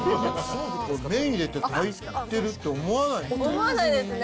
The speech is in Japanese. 麺入れて炊いてるって思わないよね？